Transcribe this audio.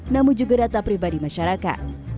namun juga data pribadi masyarakat